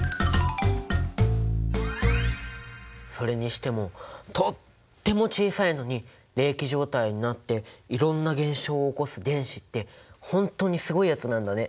それにしてもとっても小さいのに励起状態になっていろんな現象を起こす電子ってほんとにすごいやつなんだね。